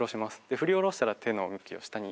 振り下ろしたら手の向きを下に。